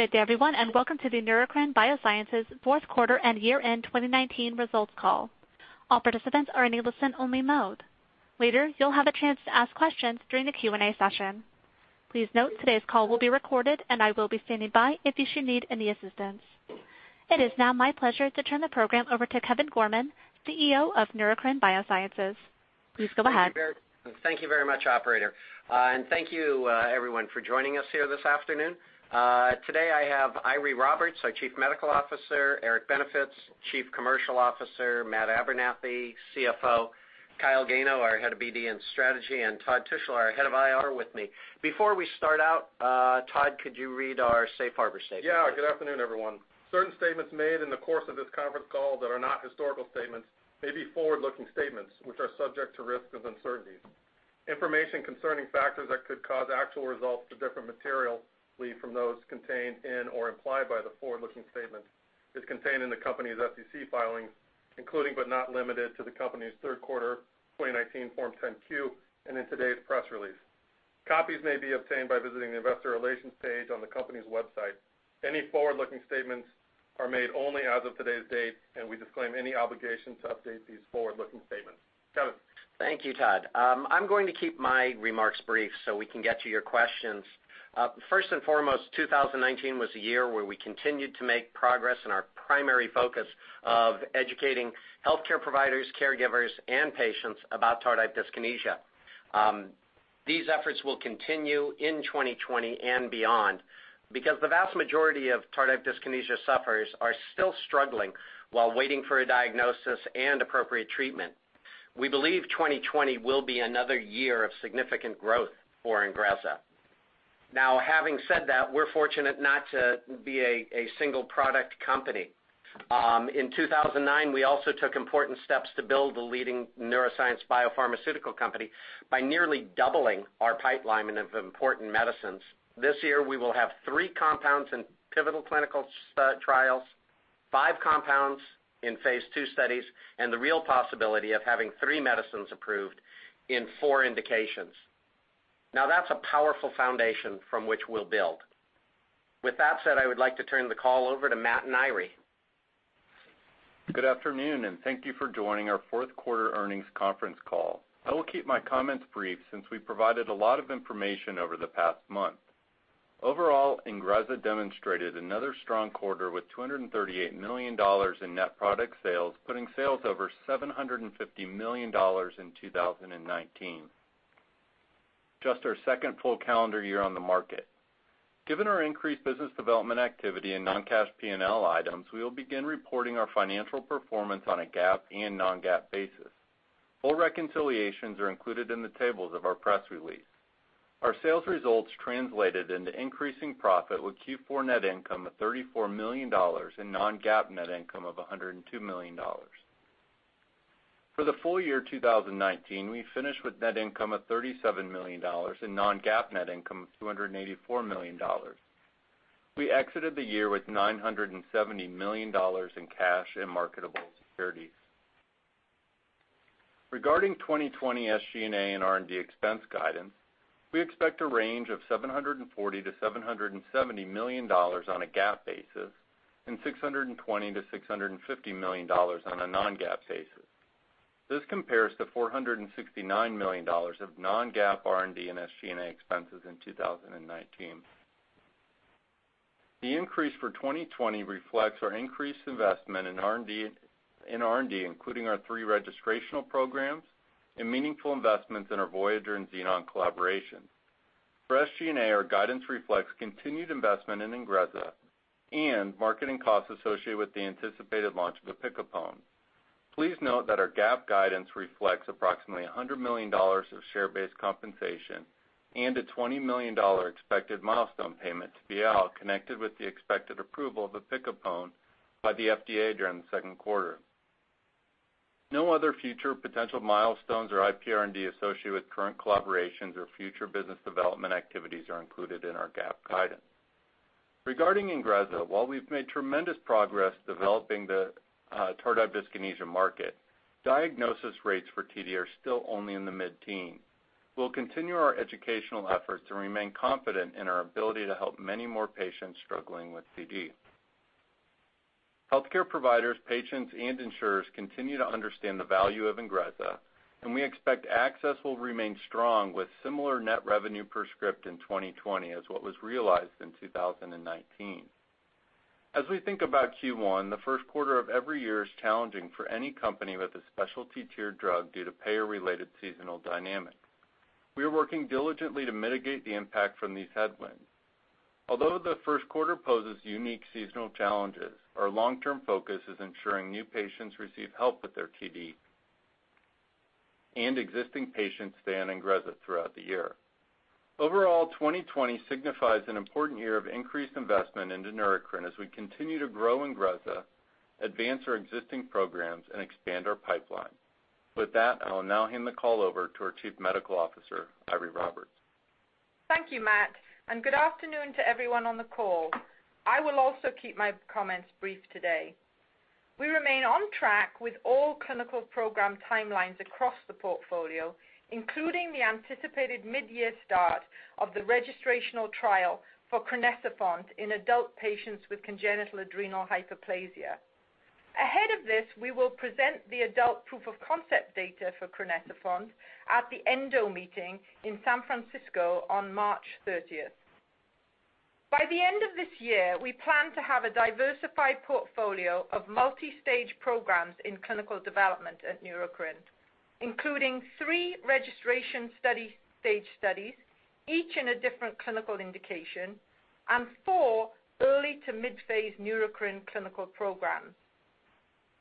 Good day everyone, welcome to the Neurocrine Biosciences Fourth Quarter and Year-end 2019 Results Call. All participants are in a listen-only mode. Later, you'll have a chance to ask questions during the Q&A session. Please note, today's call will be recorded, I will be standing by if you should need any assistance. It is now my pleasure to turn the program over to Kevin Gorman, CEO of Neurocrine Biosciences. Please go ahead. Thank you very much, operator. Thank you, everyone, for joining us here this afternoon. Today, I have Eiry Roberts, our Chief Medical Officer; Eric Benevich, Chief Commercial Officer; Matt Abernethy, CFO; Kyle Gano, our Head of BD and Strategy; and Todd Tushla, our Head of IR, with me. Before we start out, Todd, could you read our safe harbor statement? Yeah. Good afternoon, everyone. Certain statements made in the course of this conference call that are not historical statements may be forward-looking statements, which are subject to risks and uncertainties. Information concerning factors that could cause actual results to differ materially from those contained in or implied by the forward-looking statements is contained in the company's SEC filings, including but not limited to the company's third quarter 2019 Form 10-Q and in today's press release. Copies may be obtained by visiting the investor relations page on the company's website. Any forward-looking statements are made only as of today's date, and we disclaim any obligation to update these forward-looking statements. Kevin. Thank you, Todd. I'm going to keep my remarks brief so we can get to your questions. First and foremost, 2019 was a year where we continued to make progress in our primary focus of educating healthcare providers, caregivers, and patients about tardive dyskinesia. These efforts will continue in 2020 and beyond because the vast majority of tardive dyskinesia sufferers are still struggling while waiting for a diagnosis and appropriate treatment. We believe 2020 will be another year of significant growth for INGREZZA. Having said that, we're fortunate not to be a single product company. In 2019, we also took important steps to build the leading neuroscience biopharmaceutical company by nearly doubling our pipeline of important medicines. This year, we will have three compounds in pivotal clinical trials, five compounds in phase II studies, and the real possibility of having three medicines approved in four indications. That's a powerful foundation from which we'll build. With that said, I would like to turn the call over to Matt and Eiry. Good afternoon. Thank you for joining our fourth quarter earnings conference call. I will keep my comments brief since we provided a lot of information over the past month. Overall, INGREZZA demonstrated another strong quarter with $238 million in net product sales, putting sales over $750 million in 2019, just our second full calendar year on the market. Given our increased business development activity and non-cash P&L items, we will begin reporting our financial performance on a GAAP and non-GAAP basis. Full reconciliations are included in the tables of our press release. Our sales results translated into increasing profit with Q4 net income of $34 million and non-GAAP net income of $102 million. For the full year 2019, we finished with net income of $37 million and non-GAAP net income of $284 million. We exited the year with $970 million in cash and marketable securities. Regarding 2020 SG&A and R&D expense guidance, we expect a range of $740 million-$770 million on a GAAP basis and $620 million-$650 million on a non-GAAP basis. This compares to $469 million of non-GAAP R&D and SG&A expenses in 2019. The increase for 2020 reflects our increased investment in R&D, including our three registrational programs and meaningful investments in our Voyager and Xenon collaboration. For SG&A, our guidance reflects continued investment in INGREZZA and marketing costs associated with the anticipated launch of opicapone. Please note that our GAAP guidance reflects approximately $100 million of share-based compensation and a $20 million expected milestone payment to BIAL connected with the expected approval of opicapone by the FDA during the second quarter. No other future potential milestones or IPR&D associated with current collaborations or future business development activities are included in our GAAP guidance. Regarding INGREZZA, while we've made tremendous progress developing the tardive dyskinesia market, diagnosis rates for TD are still only in the mid-teen. We'll continue our educational efforts to remain confident in our ability to help many more patients struggling with TD. Healthcare providers, patients, and insurers continue to understand the value of INGREZZA, and we expect access will remain strong with similar net revenue per script in 2020 as what was realized in 2019. As we think about Q1, the first quarter of every year is challenging for any company with a specialty tiered drug due to payer-related seasonal dynamics. We are working diligently to mitigate the impact from these headwinds. Although the first quarter poses unique seasonal challenges, our long-term focus is ensuring new patients receive help with their TD and existing patients stay on INGREZZA throughout the year. Overall, 2020 signifies an important year of increased investment into Neurocrine as we continue to grow INGREZZA, advance our existing programs, and expand our pipeline. With that, I will now hand the call over to our Chief Medical Officer, Eiry Roberts. Thank you, Matt, and good afternoon to everyone on the call. I will also keep my comments brief today. We remain on track with all clinical program timelines across the portfolio, including the anticipated mid-year start of the registrational trial for crinecerfont in adult patients with congenital adrenal hyperplasia. Ahead of this, we will present the adult proof of concept data for crinecerfont at the ENDO meeting in San Francisco on March 30th. By the end of this year, we plan to have a diversified portfolio of multi-stage programs in clinical development at Neurocrine, including three registration study stage studies, each in a different clinical indication, and four early to mid-phase Neurocrine clinical programs.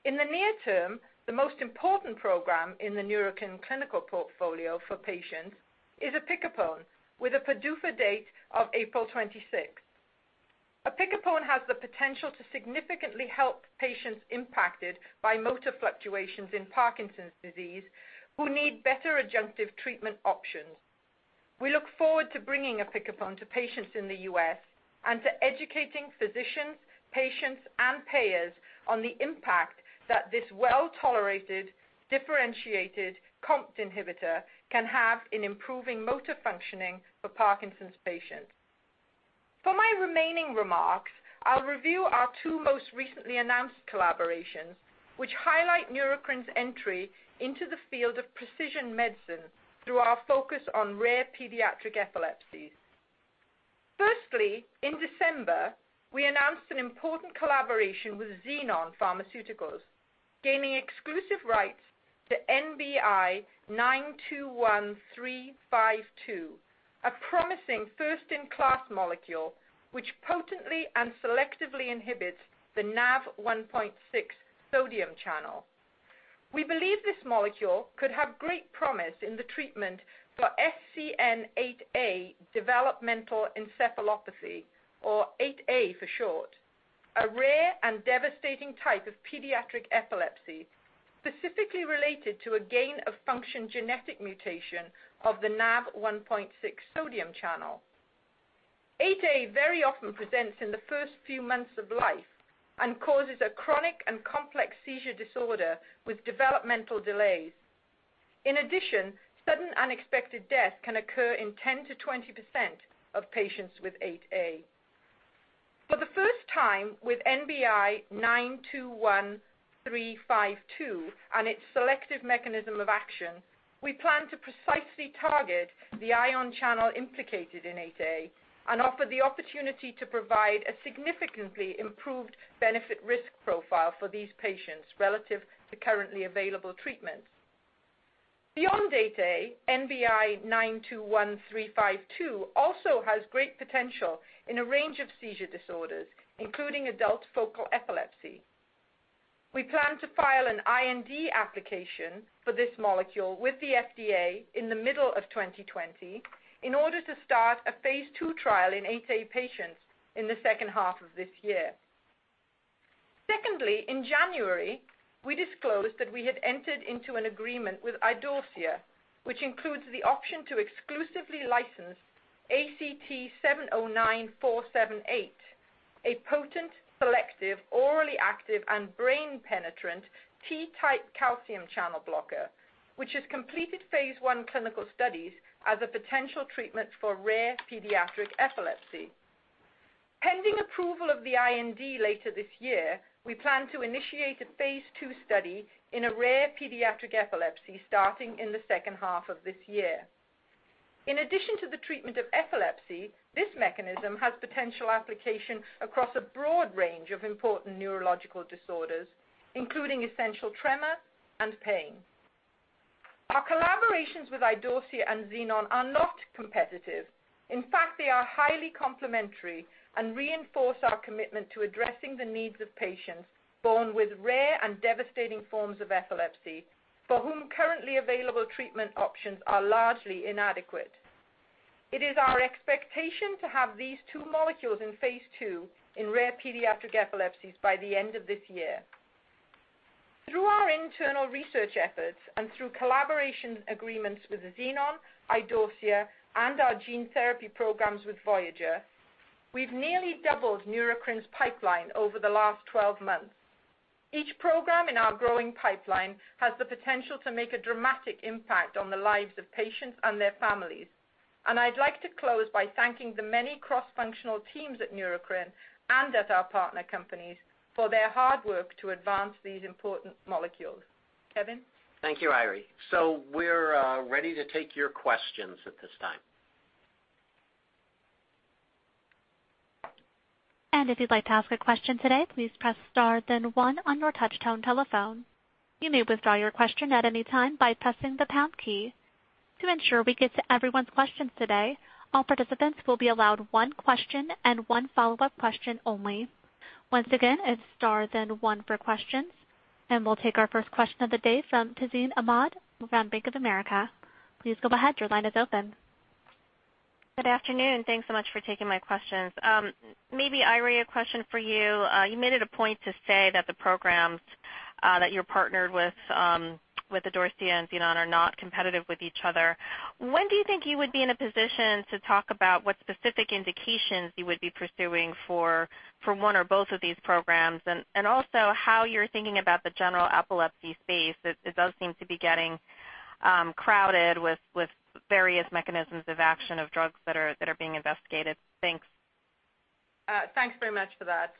In the near term, the most important program in the Neurocrine clinical portfolio for patients is opicapone with a PDUFA date of April 26th. Opicapone has the potential to significantly help patients impacted by motor fluctuations in Parkinson's disease who need better adjunctive treatment options. We look forward to bringing opicapone to patients in the U.S. and to educating physicians, patients, and payers on the impact that this well-tolerated, differentiated COMT inhibitor can have in improving motor functioning for Parkinson's patients. For my remaining remarks, I'll review our two most recently announced collaborations, which highlight Neurocrine's entry into the field of precision medicine through our focus on rare pediatric epilepsies. Firstly, in December, we announced an important collaboration with Xenon Pharmaceuticals, gaining exclusive rights to NBI-921352, a promising first-in-class molecule which potently and selectively inhibits the NaV1.6 sodium channel. We believe this molecule could have great promise in the treatment for SCN8A developmental encephalopathy, or 8A for short, a rare and devastating type of pediatric epilepsy specifically related to a gain-of-function genetic mutation of the NaV1.6 sodium channel. 8A very often presents in the first few months of life and causes a chronic and complex seizure disorder with developmental delays. In addition, sudden unexpected death can occur in 10% to 20% of patients with 8A. For the first time with NBI-921352 and its selective mechanism of action, we plan to precisely target the ion channel implicated in 8A and offer the opportunity to provide a significantly improved benefit-risk profile for these patients relative to currently available treatments. Beyond 8A, NBI-921352 also has great potential in a range of seizure disorders, including adult focal epilepsy. We plan to file an IND application for this molecule with the FDA in the middle of 2020 in order to start a phase II trial in 8A patients in the second half of this year. In January, we disclosed that we had entered into an agreement with Idorsia, which includes the option to exclusively license ACT-709478, a potent, selective, orally active, and brain penetrant T-type calcium channel blocker, which has completed phase I clinical studies as a potential treatment for rare pediatric epilepsy. Pending approval of the IND later this year, we plan to initiate a phase II study in a rare pediatric epilepsy starting in the second half of this year. In addition to the treatment of epilepsy, this mechanism has potential application across a broad range of important neurological disorders, including essential tremor and pain. Our collaborations with Idorsia and Xenon are not competitive. In fact, they are highly complementary and reinforce our commitment to addressing the needs of patients born with rare and devastating forms of epilepsy for whom currently available treatment options are largely inadequate. It is our expectation to have these two molecules in phase II in rare pediatric epilepsies by the end of this year. Through our internal research efforts and through collaboration agreements with Xenon, Idorsia, and our gene therapy programs with Voyager, we've nearly doubled Neurocrine's pipeline over the last 12 months. Each program in our growing pipeline has the potential to make a dramatic impact on the lives of patients and their families. I'd like to close by thanking the many cross-functional teams at Neurocrine and at our partner companies for their hard work to advance these important molecules. Kevin? Thank you, Eiry. We're ready to take your questions at this time. If you'd like to ask a question today, please press star then one on your touch tone telephone. You may withdraw your question at any time by pressing the pound key. To ensure we get to everyone's questions today, all participants will be allowed one question and one follow-up question only. Once again, it's star then one for questions. We'll take our first question of the day from Tazeen Ahmad from Bank of America. Please go ahead. Your line is open. Good afternoon. Thanks so much for taking my questions. Maybe Eiry, a question for you. You made it a point to say that the programs that you're partnered with, Idorsia and Xenon are not competitive with each other. When do you think you would be in a position to talk about what specific indications you would be pursuing for one or both of these programs, and also how you're thinking about the general epilepsy space? It does seem to be getting crowded with various mechanisms of action of drugs that are being investigated. Thanks. Thanks very much for that.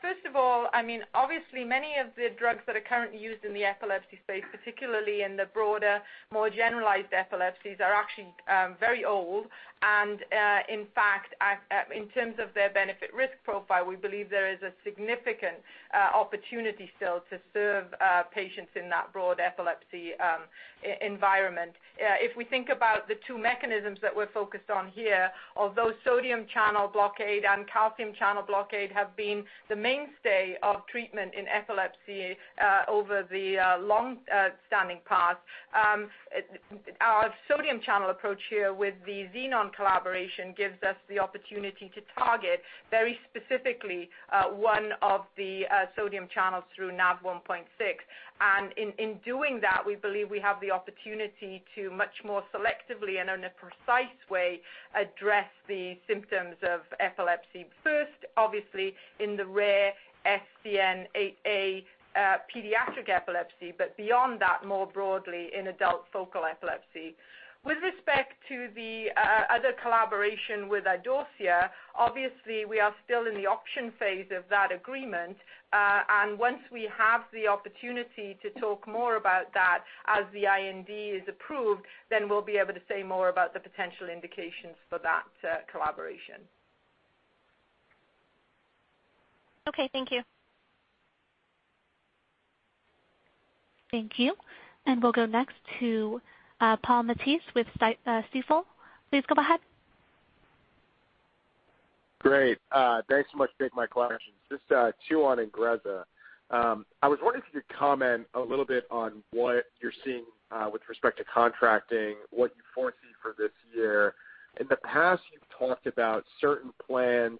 First of all, obviously, many of the drugs that are currently used in the epilepsy space, particularly in the broader, more generalized epilepsies, are actually very old. In fact, in terms of their benefit-risk profile, we believe there is a significant opportunity still to serve patients in that broad epilepsy environment. If we think about the two mechanisms that we're focused on here, although sodium channel blockade and calcium channel blockade have been the mainstay of treatment in epilepsy over the longstanding past, our sodium channel approach here with the Xenon collaboration gives us the opportunity to target, very specifically, one of the sodium channels through NaV1.6. In doing that, we believe we have the opportunity to much more selectively and in a precise way address the symptoms of epilepsy, first, obviously, in the rare SCN8A pediatric epilepsy, but beyond that, more broadly in adult focal epilepsy. With respect to the other collaboration with Idorsia, obviously, we are still in the option phase of that agreement. Once we have the opportunity to talk more about that as the IND is approved, then we'll be able to say more about the potential indications for that collaboration. Okay, thank you. Thank you. We'll go next to Paul Matteis with Stifel. Please go ahead. Great. Thanks so much. Take my questions. Just two on INGREZZA. I was wondering if you could comment a little bit on what you're seeing with respect to contracting, what you foresee for this year. In the past, you've talked about certain plans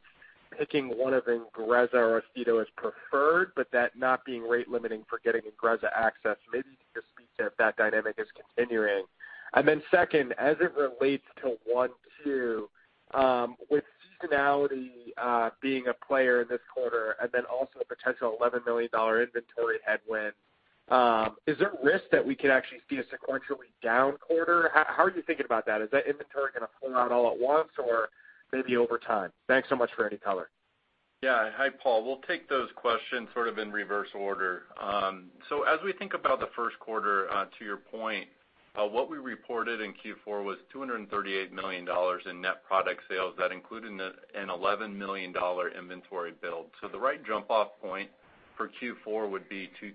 picking one of INGREZZA or Austedo as preferred, but that not being rate limiting for getting INGREZZA access. You could just speak to if that dynamic is continuing. Second, as it relates to with seasonality being a player this quarter and also a potential $11 million inventory headwind, is there a risk that we could actually see a sequentially down quarter? How are you thinking about that? Is that inventory going to pull out all at once or maybe over time? Thanks so much for any color. Yeah. Hi, Paul. We'll take those questions sort of in reverse order. As we think about the first quarter, to your point, what we reported in Q4 was $238 million in net product sales. That included an $11 million inventory build. The right jump-off point for Q4 would be $227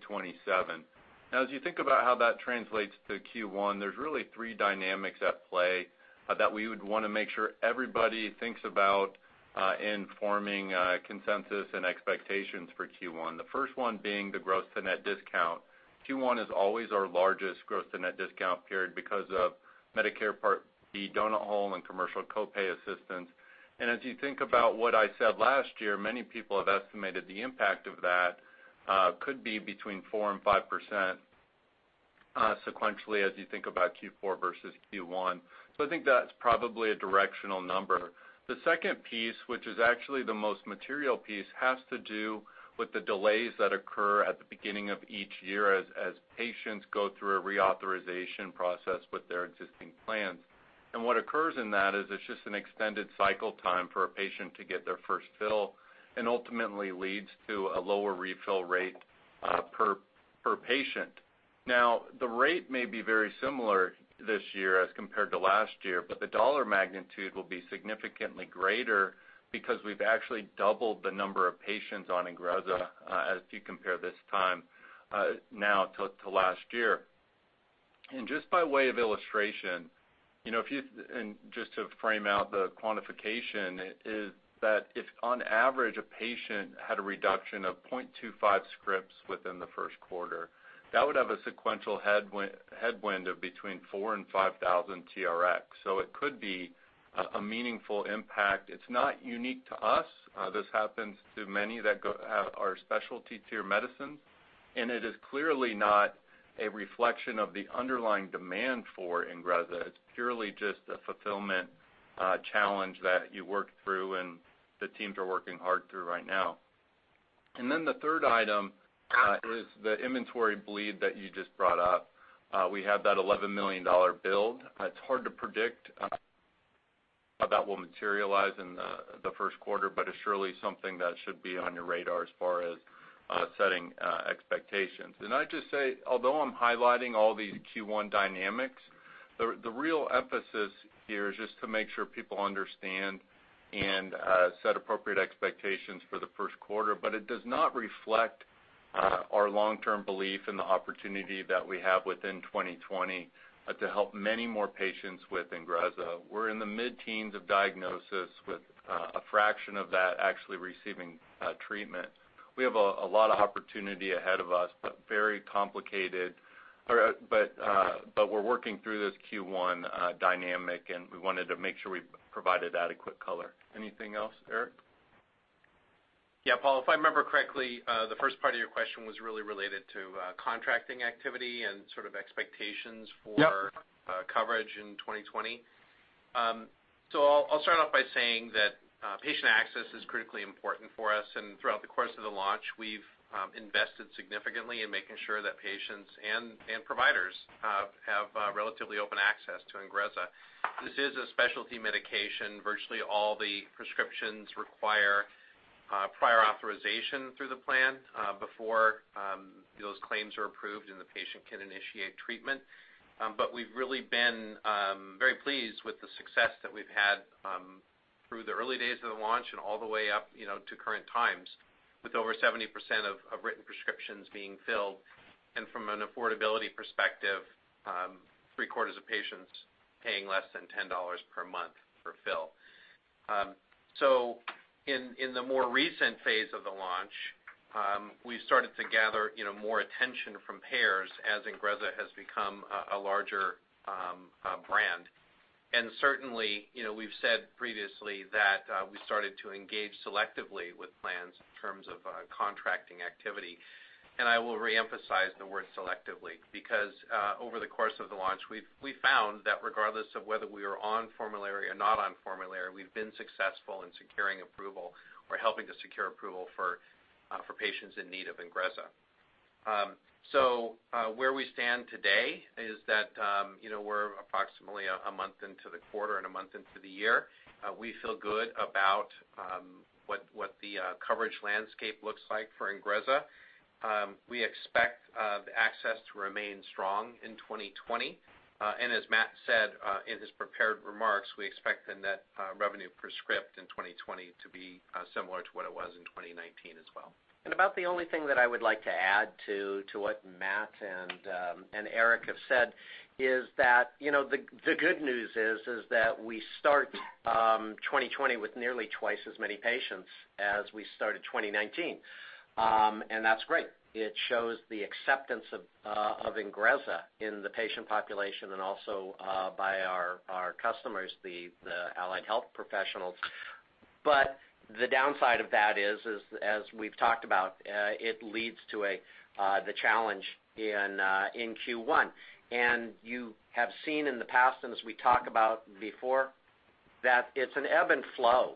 million. Now, as you think about how that translates to Q1, there's really three dynamics at play that we would want to make sure everybody thinks about in forming a consensus and expectations for Q1. The first one being the gross to net discount. Q1 is always our largest gross to net discount period because of Medicare Part D donut hole and commercial co-pay assistance. As you think about what I said last year, many people have estimated the impact of that could be between 4% and 5% sequentially as you think about Q4 versus Q1. I think that's probably a directional number. The second piece, which is actually the most material piece, has to do with the delays that occur at the beginning of each year as patients go through a reauthorization process with their existing plans. What occurs in that is it's just an extended cycle time for a patient to get their first fill and ultimately leads to a lower refill rate per patient. Now, the rate may be very similar this year as compared to last year, but the dollar magnitude will be significantly greater because we've actually doubled the number of patients on INGREZZA as you compare this time now to last year. Just by way of illustration, just to frame out the quantification, is that if on average a patient had a reduction of 0.25 scripts within the first quarter, that would have a sequential headwind of between 4,000 and 5,000 TRx. It could be a meaningful impact. It's not unique to us. This happens to many that are specialty tier medicines, and it is clearly not a reflection of the underlying demand for INGREZZA. It's purely just a fulfillment challenge that you work through and the teams are working hard through right now. Then the third item is the inventory bleed that you just brought up. We have that $11 million build. It's hard to predict how that will materialize in the first quarter, but it's surely something that should be on your radar as far as setting expectations. I'd just say, although I'm highlighting all these Q1 dynamics, the real emphasis here is just to make sure people understand and set appropriate expectations for the first quarter. It does not reflect our long-term belief in the opportunity that we have within 2020 to help many more patients with INGREZZA. We're in the mid-teens of diagnosis with a fraction of that actually receiving treatment. We have a lot of opportunity ahead of us, but very complicated. We're working through this Q1 dynamic, and we wanted to make sure we provided adequate color. Anything else, Eric? Yeah, Paul, if I remember correctly, the first part of your question was really related to contracting activity and sort of expectations for. Yep Coverage in 2020. I'll start off by saying that patient access is critically important for us. Throughout the course of the launch, we've invested significantly in making sure that patients and providers have relatively open access to INGREZZA. This is a specialty medication. Virtually all the prescriptions require prior authorization through the plan before those claims are approved, and the patient can initiate treatment. We've really been very pleased with the success that we've had through the early days of the launch and all the way up to current times, with over 70% of written prescriptions being filled. From an affordability perspective, three-quarters of patients paying less than $10 per month per fill. In the more recent phase of the launch, we started to gather more attention from payers as INGREZZA has become a larger brand. Certainly, we've said previously that we started to engage selectively with plans in terms of contracting activity. I will re-emphasize the word selectively, because over the course of the launch, we've found that regardless of whether we are on formulary or not on formulary, we've been successful in securing approval or helping to secure approval for patients in need of INGREZZA. Where we stand today is that we're approximately a month into the quarter and a month into the year. We feel good about what the coverage landscape looks like for INGREZZA. We expect the access to remain strong in 2020. As Matt said in his prepared remarks, we expect the net revenue per script in 2020 to be similar to what it was in 2019 as well. About the only thing that I would like to add to what Matt and Eric have said is that the good news is that we start 2020 with nearly twice as many patients as we started 2019. That's great. It shows the acceptance of INGREZZA in the patient population and also by our customers, the allied health professionals. The downside of that is, as we've talked about, it leads to the challenge in Q1. You have seen in the past, and as we talked about before, that it's an ebb and flow.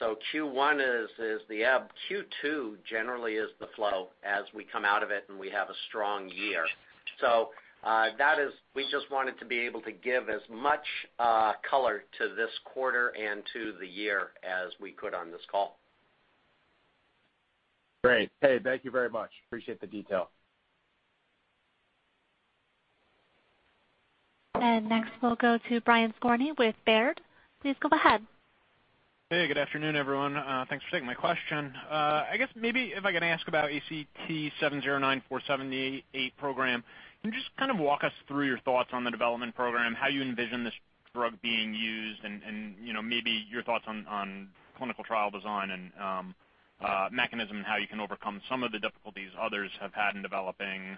Q1 is the ebb. Q2 generally is the flow as we come out of it, and we have a strong year. We just wanted to be able to give as much color to this quarter and to the year as we could on this call. Great. Hey, thank you very much. Appreciate the detail. Next, we'll go to Brian Skorney with Baird. Please go ahead. Hey, good afternoon, everyone. Thanks for taking my question. I guess maybe if I can ask about ACT-709478 program. Can you just kind of walk us through your thoughts on the development program, how you envision this drug being used and maybe your thoughts on clinical trial design and mechanism and how you can overcome some of the difficulties others have had in developing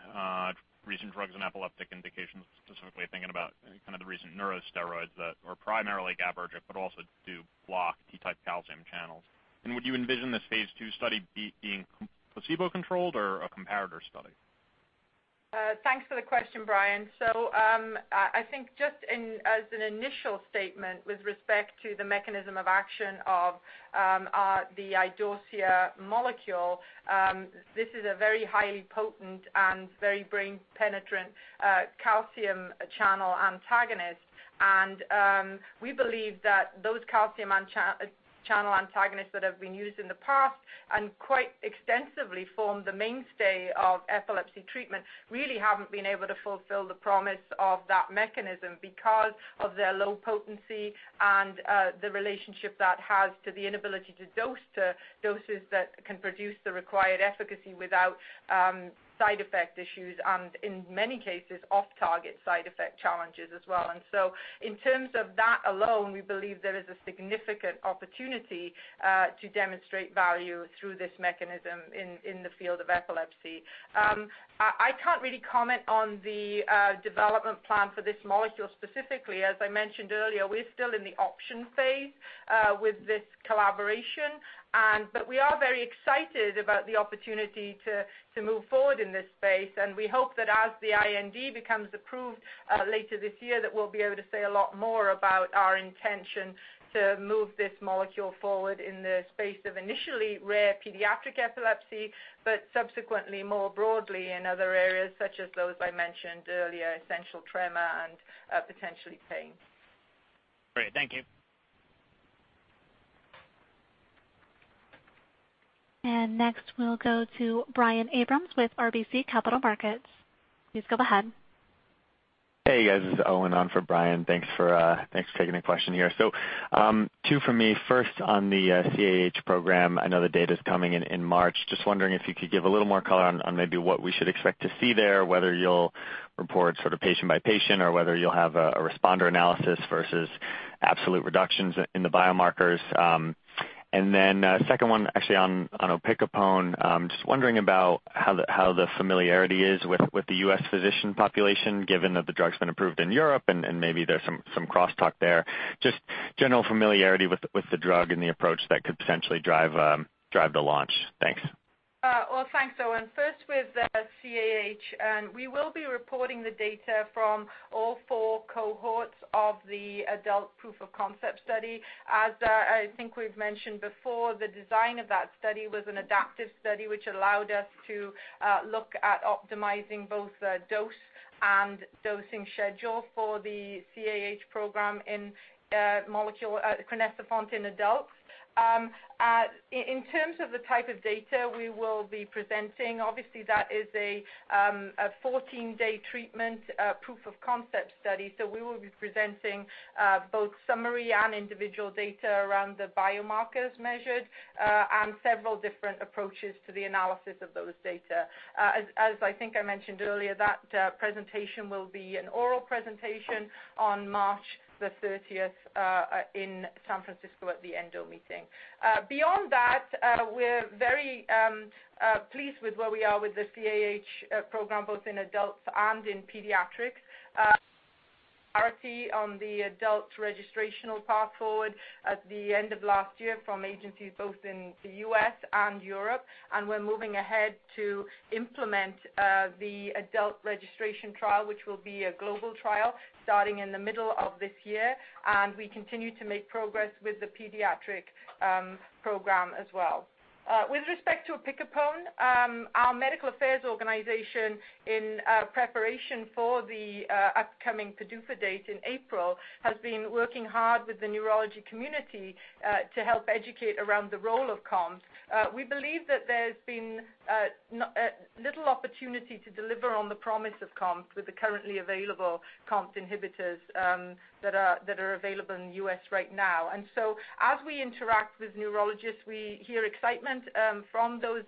recent drugs and epileptic indications, specifically thinking about kind of the recent neurosteroids that are primarily GABAergic but also do block T-type calcium channels. Would you envision the phase II study being placebo-controlled or a comparator study? Thanks for the question, Brian. I think just as an initial statement with respect to the mechanism of action of the Idorsia molecule, this is a very highly potent and very brain-penetrant calcium channel antagonist. We believe that those calcium channel antagonists that have been used in the past and quite extensively form the mainstay of epilepsy treatment really haven't been able to fulfill the promise of that mechanism because of their low potency and the relationship that has to the inability to dose to doses that can produce the required efficacy without side effect issues and in many cases off-target side effect challenges as well. In terms of that alone, we believe there is a significant opportunity to demonstrate value through this mechanism in the field of epilepsy. I can't really comment on the development plan for this molecule specifically. As I mentioned earlier, we're still in the option phase with this collaboration. We are very excited about the opportunity to move forward in this space, and we hope that as the IND becomes approved later this year, that we'll be able to say a lot more about our intention to move this molecule forward in the space of initially rare pediatric epilepsy, but subsequently more broadly in other areas, such as those I mentioned earlier, essential tremor and potentially pain. Great. Thank you. Next, we'll go to Brian Abrahams with RBC Capital Markets. Please go ahead. Hey, guys, this is Owen on for Brian. Thanks for taking the question here. Two from me. First on the CAH program, I know the data's coming in in March. Just wondering if you could give a little more color on maybe what we should expect to see there, whether you'll report sort of patient by patient or whether you'll have a responder analysis versus absolute reductions in the biomarkers? Second one actually on opicapone. Just wondering about how the familiarity is with the U.S. physician population, given that the drug's been approved in Europe and maybe there's some crosstalk there? Just general familiarity with the drug and the approach that could potentially drive the launch. Thanks. Well, thanks, Owen. First with the CAH, we will be reporting the data from all four cohorts of the adult proof of concept study. As I think we've mentioned before, the design of that study was an adaptive study, which allowed us to look at optimizing both the dose and dosing schedule for the CAH program in molecule crinecerfont in adults. In terms of the type of data we will be presenting, obviously, that is a 14-day treatment proof of concept study. We will be presenting both summary and individual data around the biomarkers measured and several different approaches to the analysis of those data. As I think I mentioned earlier, that presentation will be an oral presentation on March 30th in San Francisco at the ENDO meeting. Beyond that, we're very pleased with where we are with the CAH program, both in adults and in pediatrics. Clarity on the adult registrational path forward at the end of last year from agencies both in the U.S. and Europe. We're moving ahead to implement the adult registration trial, which will be a global trial starting in the middle of this year. We continue to make progress with the pediatric program as well. With respect to opicapone, our medical affairs organization in preparation for the upcoming PDUFA date in April has been working hard with the neurology community to help educate around the role of COMT. We believe that there's been little opportunity to deliver on the promise of COMT with the currently available COMT inhibitors that are available in the U.S. right now. As we interact with neurologists, we hear excitement from those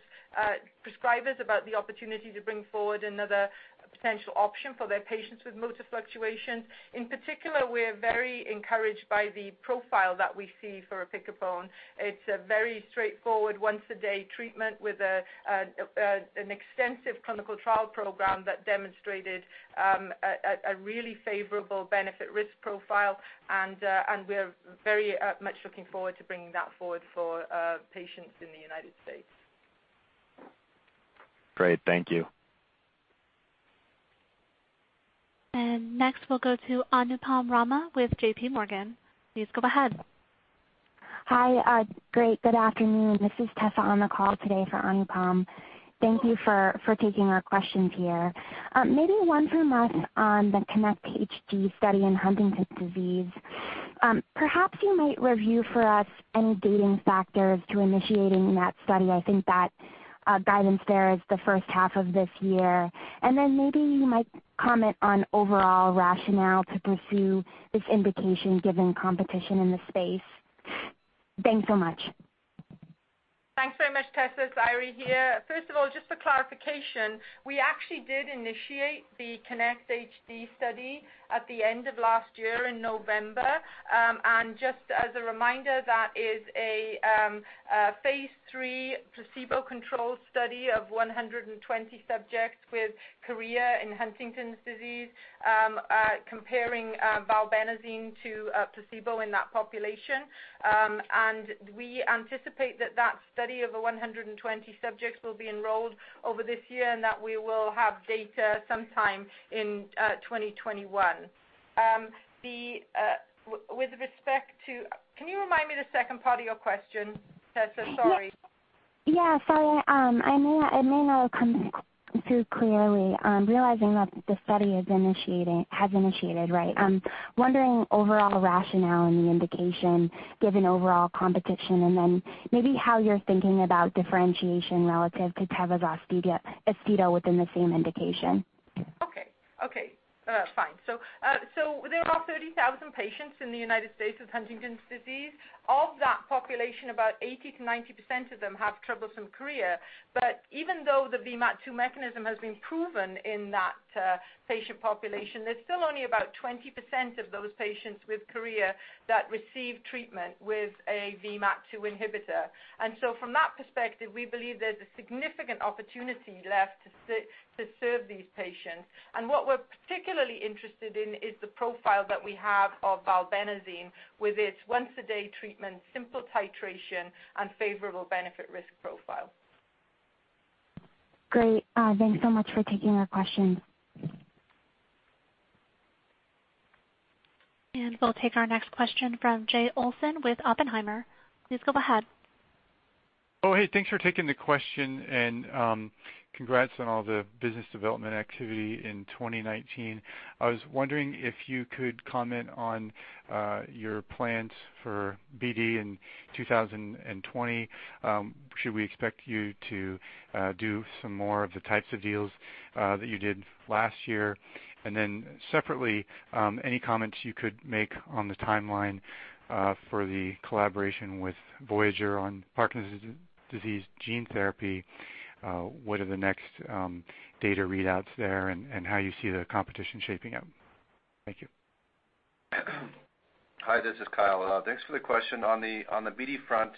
prescribers about the opportunity to bring forward another potential option for their patients with motor fluctuations. In particular, we're very encouraged by the profile that we see for opicapone. It's a very straightforward once-a-day treatment with an extensive clinical trial program that demonstrated a really favorable benefit-risk profile. We're very much looking forward to bringing that forward for patients in the United States. Great. Thank you. Next, we'll go to Anupam Rama with J.P. Morgan. Please go ahead. Hi. Great. Good afternoon. This is Tessa on the call today for Anupam. Thank you for taking our questions here. Maybe one from us on the KINECT-HD study in Huntington's disease. Perhaps you might review for us any dating factors to initiating that study. I think that guidance there is the first half of this year. Maybe you might comment on overall rationale to pursue this indication given competition in the space. Thanks so much. Thanks very much, Tessa. It's Eiry here. First of all, just for clarification, we actually did initiate the KINECT-HD study at the end of last year in November. Just as a reminder, that is a phase III placebo-controlled study of 120 subjects with chorea in Huntington's disease comparing valbenazine to placebo in that population. We anticipate that that study of 120 subjects will be enrolled over this year and that we will have data sometime in 2021. Can you remind me the second part of your question, Tessa? Sorry. Yeah. Sorry. It may not have come through clearly. Realizing that the study has initiated, right? I'm wondering overall rationale in the indication given overall competition, and then maybe how you're thinking about differentiation relative to tetrabenazine, Austedo within the same indication. Okay. Fine. There are 30,000 patients in the U.S. with Huntington's disease. Of that population, about 80%-90% of them have troublesome chorea. Even though the VMAT-2 mechanism has been proven in that patient population, there's still only about 20% of those patients with chorea that receive treatment with a VMAT-2 inhibitor. From that perspective, we believe there's a significant opportunity left to serve these patients. What we're particularly interested in is the profile that we have of valbenazine with its once-a-day treatment, simple titration, and favorable benefit-risk profile. Great. Thanks so much for taking our question. We'll take our next question from Jay Olson with Oppenheimer. Please go ahead. Oh, hey, thanks for taking the question and congrats on all the business development activity in 2019. I was wondering if you could comment on your plans for BD in 2020. Should we expect you to do some more of the types of deals that you did last year? Separately, any comments you could make on the timeline for the collaboration with Voyager on Parkinson's disease gene therapy? What are the next data readouts there and how you see the competition shaping up? Thank you. Hi, this is Kyle. Thanks for the question. On the BD front,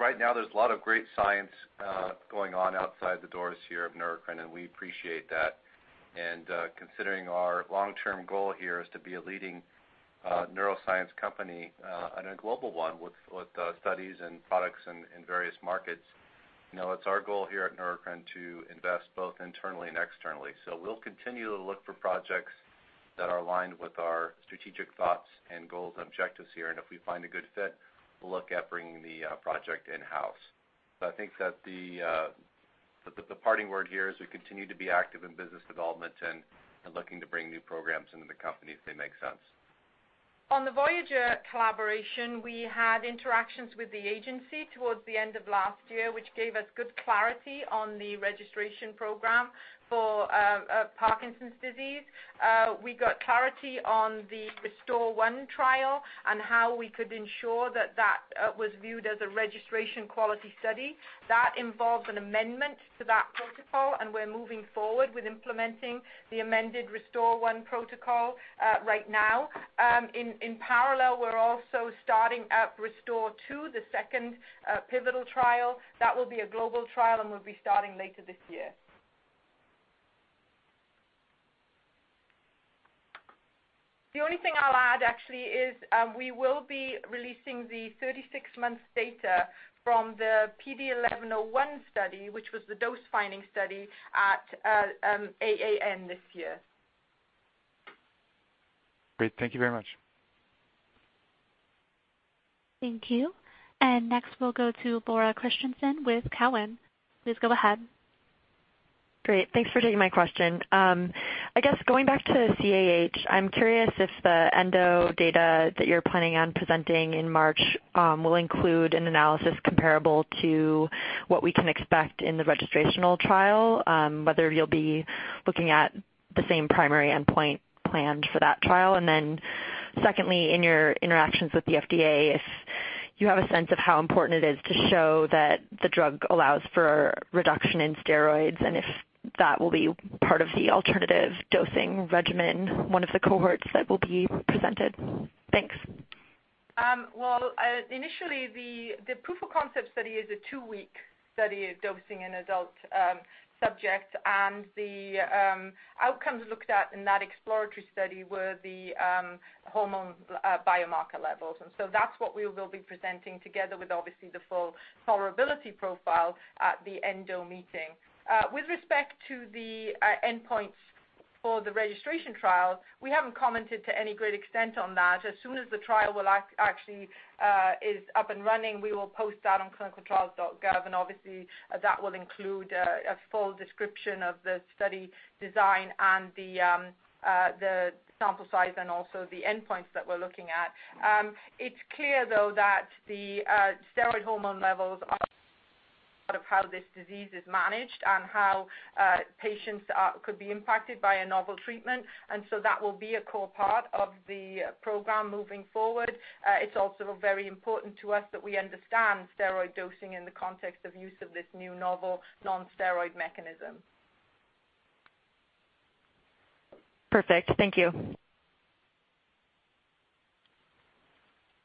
right now there's a lot of great science going on outside the doors here of Neurocrine, and we appreciate that. Considering our long-term goal here is to be a leading a neuroscience company and a global one with studies and products in various markets. It's our goal here at Neurocrine to invest both internally and externally. We'll continue to look for projects that are aligned with our strategic thoughts and goals and objectives here, and if we find a good fit, we'll look at bringing the project in-house. I think that the parting word here is we continue to be active in business development and looking to bring new programs into the company if they make sense. On the Voyager collaboration, we had interactions with the agency towards the end of last year, which gave us good clarity on the registration program for Parkinson's disease. We got clarity on the RESTORE-1 trial and how we could ensure that that was viewed as a registration quality study. That involved an amendment to that protocol, and we're moving forward with implementing the amended RESTORE-1 protocol right now. In parallel, we're also starting up RESTORE-2, the second pivotal trial. That will be a global trial and will be starting later this year. The only thing I'll add actually is we will be releasing the 36 months data from the PD1101 study, which was the dose-finding study at AAN this year. Great. Thank you very much. Thank you. Next we'll go to Laura Christianson with Cowen. Please go ahead. Great. Thanks for taking my question. I guess going back to CAH, I'm curious if the ENDO data that you're planning on presenting in March will include an analysis comparable to what we can expect in the registrational trial, whether you'll be looking at the same primary endpoint planned for that trial? Secondly, in your interactions with the FDA, if you have a sense of how important it is to show that the drug allows for a reduction in steroids, and if that will be part of the alternative dosing regimen, one of the cohorts that will be presented? Thanks. Well, initially the proof of concept study is a two-week study of dosing in adult subjects, and the outcomes looked at in that exploratory study were the hormone biomarker levels. That's what we will be presenting together with obviously the full tolerability profile at the ENDO meeting. With respect to the endpoints for the registration trial, we haven't commented to any great extent on that. As soon as the trial actually is up and running, we will post that on ClinicalTrials.gov, and obviously, that will include a full description of the study design and the sample size and also the endpoints that we're looking at. It's clear, though, that the steroid hormone levels are part of how this disease is managed and how patients could be impacted by a novel treatment, and so that will be a core part of the program moving forward. It's also very important to us that we understand steroid dosing in the context of use of this new novel non-steroid mechanism. Perfect. Thank you.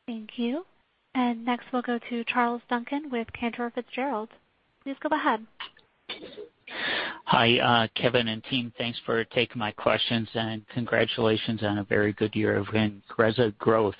Thank you. Next, we'll go to Charles Duncan with Cantor Fitzgerald. Please go ahead. Hi, Kevin and team. Thanks for taking my questions, and congratulations on a very good year of INGREZZA growth.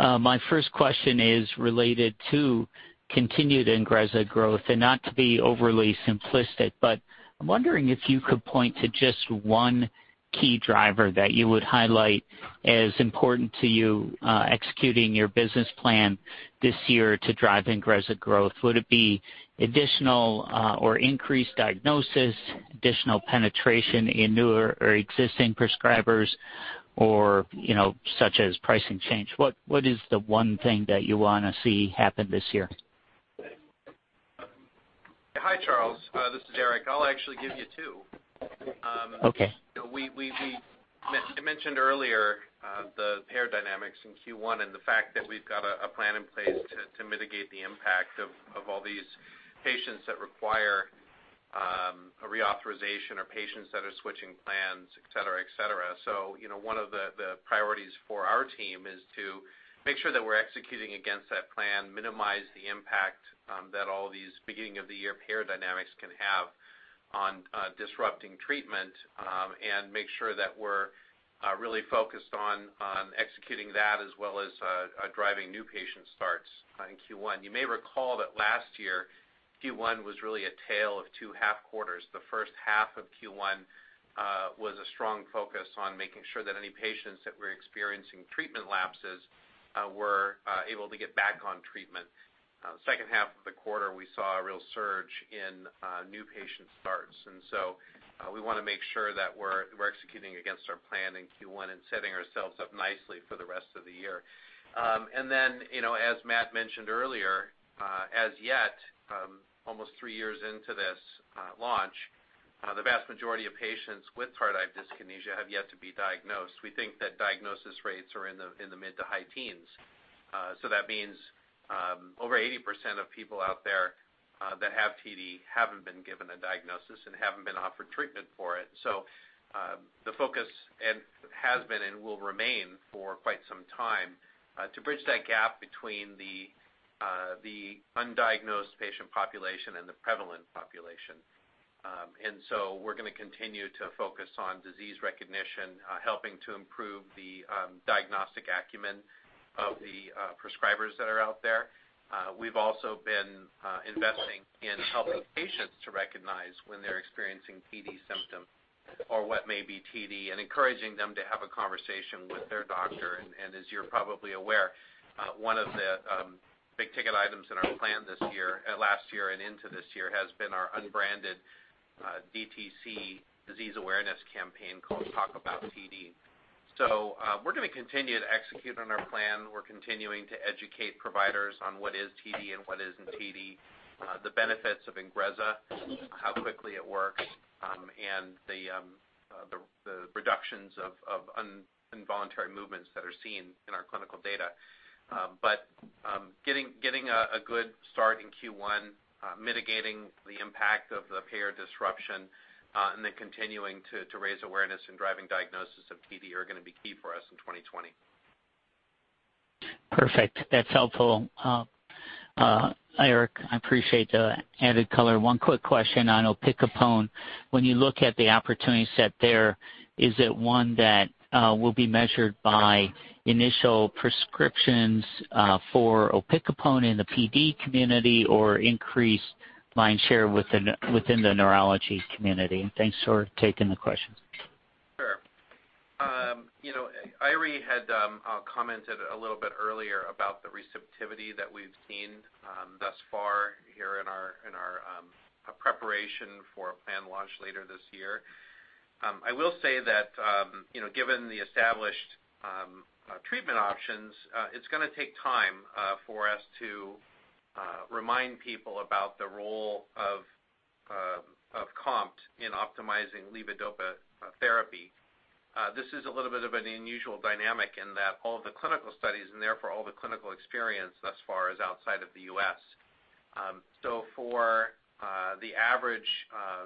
My first question is related to continued INGREZZA growth, and not to be overly simplistic, but I'm wondering if you could point to just one key driver that you would highlight as important to you executing your business plan this year to drive INGREZZA growth. Would it be additional or increased diagnosis, additional penetration in newer or existing prescribers, or such as pricing change? What is the one thing that you want to see happen this year? Hi, Charles. This is Eric. I'll actually give you two. Okay. I mentioned earlier the payer dynamics in Q1 and the fact that we've got a plan in place to mitigate the impact of all these patients that require a reauthorization or patients that are switching plans, et cetera. One of the priorities for our team is to make sure that we're executing against that plan, minimize the impact that all these beginning of the year payer dynamics can have on disrupting treatment and make sure that we're really focused on executing that as well as driving new patient starts in Q1. You may recall that last year, Q1 was really a tale of two half quarters. The first half of Q1 was a strong focus on making sure that any patients that were experiencing treatment lapses were able to get back on treatment. Second half of the quarter, we saw a real surge in new patient starts. We want to make sure that we're executing against our plan in Q1 and setting ourselves up nicely for the rest of the year. As Matt mentioned earlier, as yet, almost three years into this launch, the vast majority of patients with tardive dyskinesia have yet to be diagnosed. We think that diagnosis rates are in the mid to high teens. That means over 80% of people out there that have TD haven't been given a diagnosis and haven't been offered treatment for it. The focus has been and will remain for quite some time to bridge that gap between the undiagnosed patient population and the prevalent population. We're going to continue to focus on disease recognition, helping to improve the diagnostic acumen of the prescribers that are out there. We've also been investing in helping patients to recognize when they're experiencing TD symptoms or what may be TD and encouraging them to have a conversation with their doctor. As you're probably aware, one of the big-ticket items in our plan last year and into this year has been our unbranded DTC disease awareness campaign called Talk About TD. We're going to continue to execute on our plan. We're continuing to educate providers on what is TD and what isn't TD, the benefits of INGREZZA, how quickly it works, and the reductions of involuntary movements that are seen in our clinical data. Getting a good start in Q1, mitigating the impact of the payer disruption, and then continuing to raise awareness and driving diagnosis of TD are going to be key for us in 2020. Perfect. That's helpful. Eric, I appreciate the added color. One quick question on opicapone. When you look at the opportunity set there, is it one that will be measured by initial prescriptions for opicapone in the PD community or increased mind share within the neurology community? Thanks for taking the question. Sure. Eiry had commented a little bit earlier about the receptivity that we've seen thus far here in our preparation for a planned launch later this year. I will say that given the established treatment options, it's going to take time for us to remind people about the role of COMT in optimizing levodopa therapy. This is a little bit of an unusual dynamic in that all the clinical studies, and therefore all the clinical experience thus far, is outside of the U.S. For the average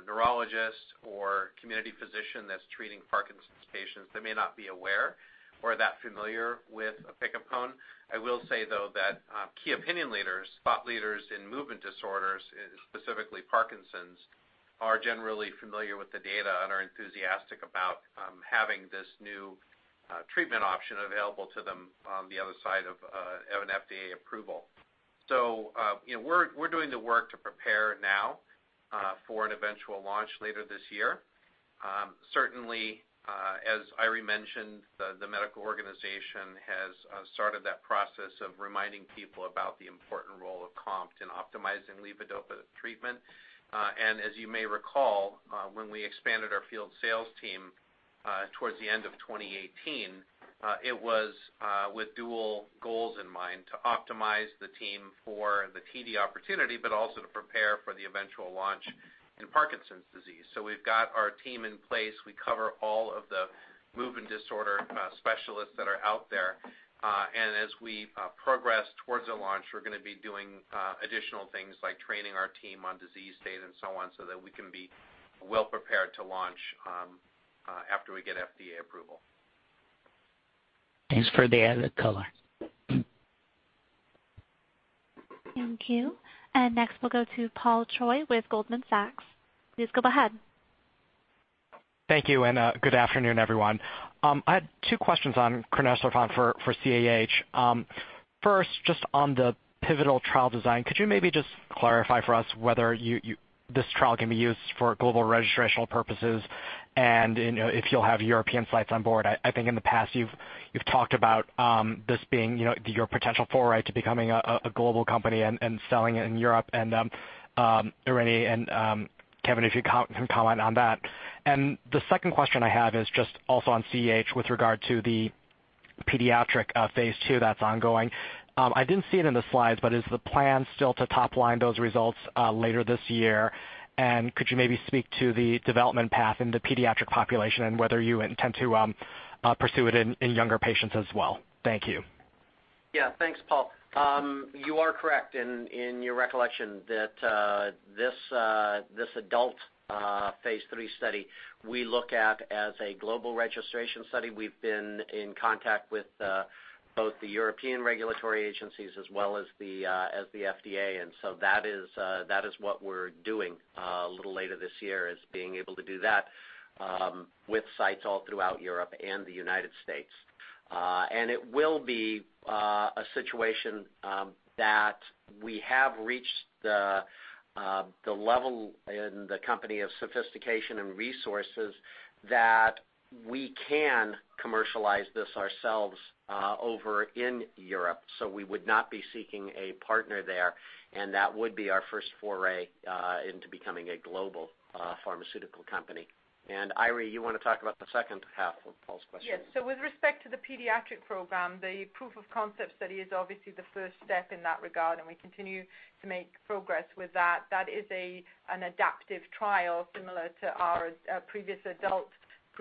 neurologist or community physician that's treating Parkinson's patients, they may not be aware or that familiar with opicapone. I will say, though, that key opinion leaders, thought leaders in movement disorders, specifically Parkinson's, are generally familiar with the data and are enthusiastic about having this new treatment option available to them on the other side of an FDA approval. We're doing the work to prepare now for an eventual launch later this year. Certainly, as Eiry mentioned, the medical organization has started that process of reminding people about the important role of COMT in optimizing levodopa treatment. As you may recall, when we expanded our field sales team towards the end of 2018, it was with dual goals in mind: to optimize the team for the TD opportunity, but also to prepare for the eventual launch in Parkinson's disease. We've got our team in place. We cover all of the movement disorder specialists that are out there. As we progress towards a launch, we're going to be doing additional things like training our team on disease state and so on so that we can be well prepared to launch after we get FDA approval. Thanks for the added color. Thank you. Next we'll go to Paul Choi with Goldman Sachs. Please go ahead. Thank you, good afternoon, everyone. I had two questions on crinecerfont for CAH. First, just on the pivotal trial design, could you maybe just clarify for us whether this trial can be used for global registrational purposes and if you'll have European sites on board? I think in the past you've talked about this being your potential foray to becoming a global company and selling it in Europe. Eiry and Kevin, if you can comment on that. The second question I have is just also on CAH with regard to the pediatric phase II that's ongoing. I didn't see it in the slides, is the plan still to top-line those results later this year? Could you maybe speak to the development path in the pediatric population and whether you intend to pursue it in younger patients as well? Thank you. Yeah. Thanks, Paul. You are correct in your recollection that this adult phase III study we look at as a global registration study. We've been in contact with both the European regulatory agencies as well as the FDA. That is what we're doing a little later this year, is being able to do that with sites all throughout Europe and the U.S. It will be a situation that we have reached the level in the company of sophistication and resources that we can commercialize this ourselves over in Europe. We would not be seeking a partner there, and that would be our first foray into becoming a global pharmaceutical company. Eiry, you want to talk about the second half of Paul's question? Yes. With respect to the pediatric program, the proof of concept study is obviously the first step in that regard, and we continue to make progress with that. That is an adaptive trial similar to our previous adult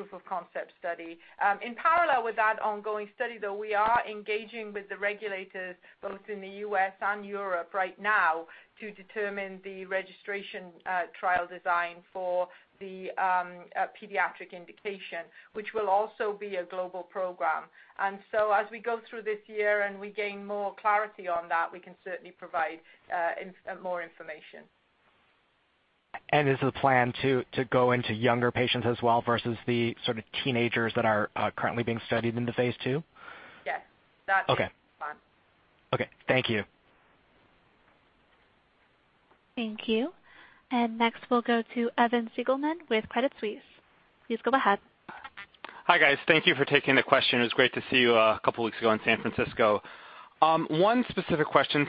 proof of concept study. In parallel with that ongoing study, though, we are engaging with the regulators both in the U.S. and Europe right now to determine the registration trial design for the pediatric indication, which will also be a global program. As we go through this year and we gain more clarity on that, we can certainly provide more information. Is the plan to go into younger patients as well versus the sort of teenagers that are currently being studied in the phase II? Yes. That's the plan. Okay. Thank you. Thank you. Next, we'll go to Evan Seigerman with Credit Suisse. Please go ahead. Hi, guys. Thank you for taking the question. It was great to see you a couple of weeks ago in San Francisco. One specific question.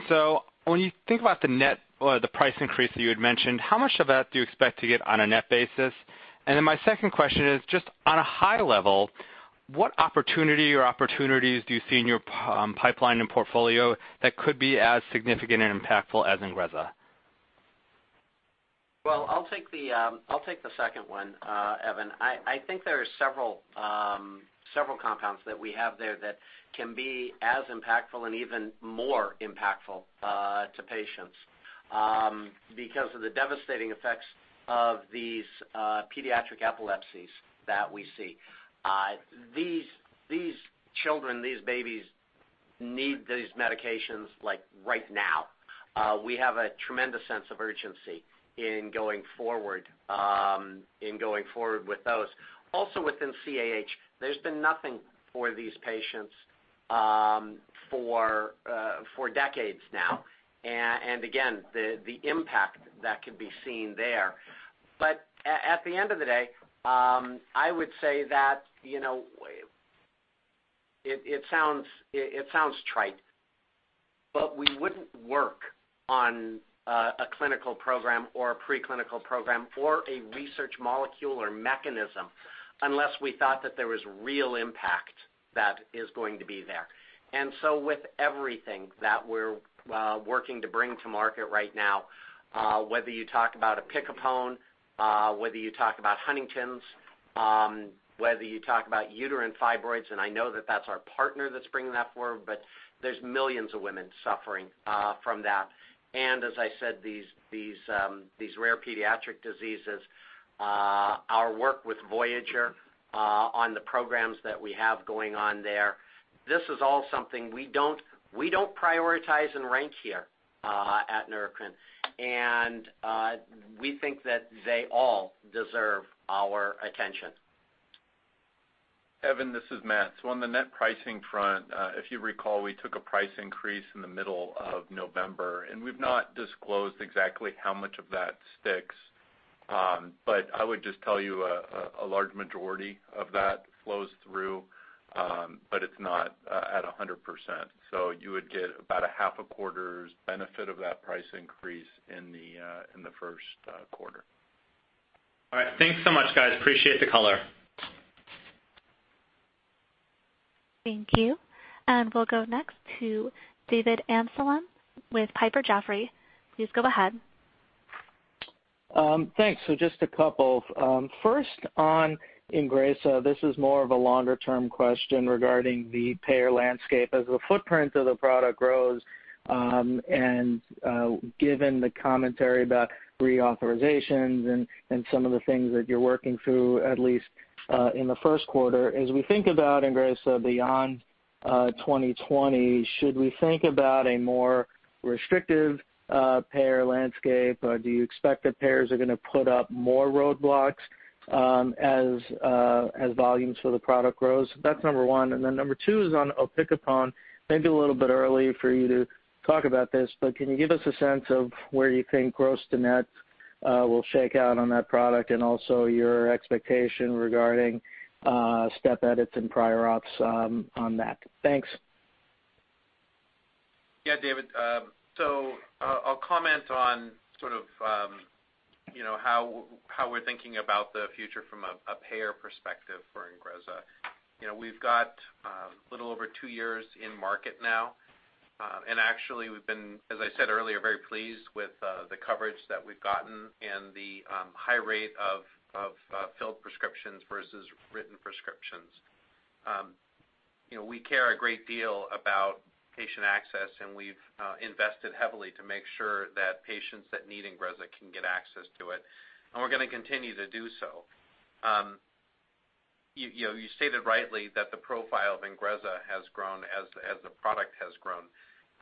When you think about the net or the price increase that you had mentioned, how much of that do you expect to get on a net basis? My second question is just on a high level, what opportunity or opportunities do you see in your pipeline and portfolio that could be as significant and impactful as INGREZZA? Well, I'll take the second one, Evan. I think there are several compounds that we have there that can be as impactful and even more impactful to patients because of the devastating effects of these pediatric epilepsies that we see. These children, these babies need these medications, like right now. We have a tremendous sense of urgency in going forward with those. Within CAH, there's been nothing for these patients for decades now. Again, the impact that could be seen there. At the end of the day, I would say that it sounds trite, but we wouldn't work on a clinical program or a pre-clinical program or a research molecule or mechanism unless we thought that there was real impact that is going to be there. With everything that we're working to bring to market right now, whether you talk about opicapone, whether you talk about Huntington's, whether you talk about uterine fibroids, and I know that that's our partner that's bringing that forward, but there's millions of women suffering from that. As I said, these rare pediatric diseases, our work with Voyager on the programs that we have going on there, this is all something we don't prioritize and rank here at Neurocrine. We think that they all deserve our attention. Evan, this is Matt. On the net pricing front, if you recall, we took a price increase in the middle of November, and we've not disclosed exactly how much of that sticks. I would just tell you a large majority of that flows through, but it's not at 100%. You would get about a half a quarter's benefit of that price increase in the first quarter. All right. Thanks so much, guys. Appreciate the color. Thank you. We'll go next to David Amsellem with Piper Jaffray. Please go ahead. Thanks. Just a couple. First on INGREZZA, this is more of a longer-term question regarding the payer landscape. As the footprint of the product grows, and given the commentary about reauthorizations and some of the things that you're working through, at least in the first quarter. As we think about INGREZZA beyond 2020, should we think about a more restrictive payer landscape? Do you expect that payers are going to put up more roadblocks as volumes for the product grows? That's number one. Then number two is on opicapone. Maybe a little bit early for you to talk about this, but can you give us a sense of where you think gross to net will shake out on that product and also your expectation regarding step edits and prior ops on that? Thanks. Yeah, David. I'll comment on sort of how we're thinking about the future from a payer perspective for INGREZZA. We've got a little over two years in market now. Actually, we've been, as I said earlier, very pleased with the coverage that we've gotten and the high rate of filled prescriptions versus written prescriptions. We care a great deal about patient access, and we've invested heavily to make sure that patients that need INGREZZA can get access to it, and we're going to continue to do so. You stated rightly that the profile of INGREZZA has grown as the product has grown.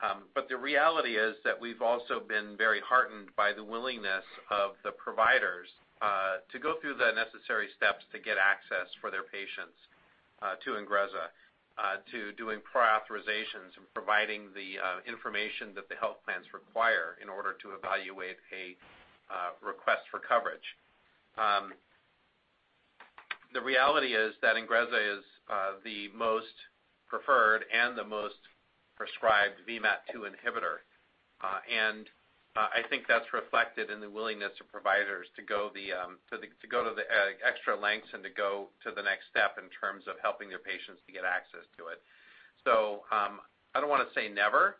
The reality is that we've also been very heartened by the willingness of the providers to go through the necessary steps to get access for their patients to INGREZZA to doing prior authorizations and providing the information that the health plans require in order to evaluate a request for coverage. The reality is that INGREZZA is the most preferred and the most prescribed VMAT2 inhibitor. I think that's reflected in the willingness of providers to go to the extra lengths and to go to the next step in terms of helping their patients to get access to it. I don't want to say never,